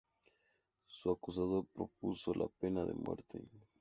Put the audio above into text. Su acusador propuso la pena de muerte.